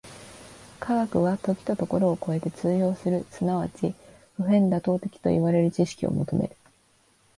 科学は時と処を超えて通用する即ち普遍妥当的といわれる知識を求める。